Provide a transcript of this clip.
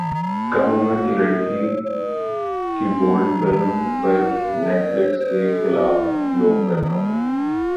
کم عمر لڑکی کی بولڈ فلم پر نیٹ فلیکس کے خلاف لوگ برہم